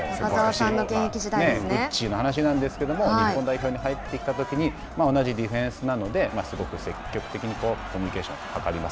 ウッチーの話なんですけども日本代表に入ってきたときに同じディフェンスなのですごく積極的にコミュニケーションを図ります。